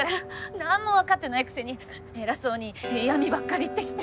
何もわかってないくせに偉そうに嫌みばっかり言ってきて。